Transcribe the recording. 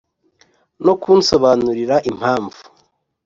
no kunsobanurira impamvu